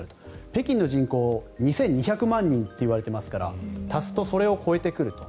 北京の人口は２２００万人といわれていますから足すと、それを超えてくると。